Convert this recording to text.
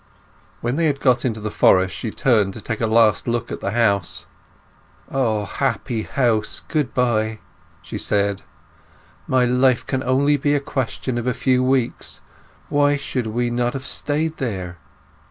When they had got into the Forest she turned to take a last look at the house. "Ah, happy house—goodbye!" she said. "My life can only be a question of a few weeks. Why should we not have stayed there?"